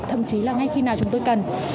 thậm chí là ngay khi nào chúng tôi cần